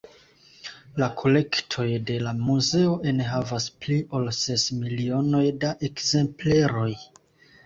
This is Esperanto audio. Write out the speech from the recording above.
La kolektoj de la Muzeo enhavas pli ol ses milionoj da ekzempleroj.